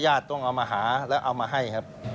ต้องเอามาหาแล้วเอามาให้ครับ